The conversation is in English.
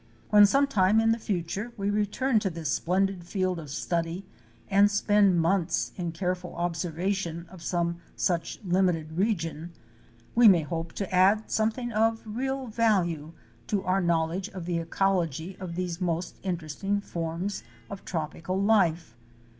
When, sometime in the future, we return to this splendid field of study and spend months in careful observation of some such limited region, we may hope to add something of real value to our knowledge of the ecology of these most inter esting forms of tropical life.